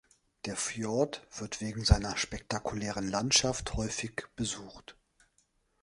Der Fjord wird wegen seiner spektakulären Landschaft häufig besucht.